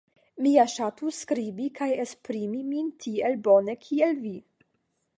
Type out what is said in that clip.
Mi ja ŝatus skribi kaj esprimi min tiel bone kiel vi.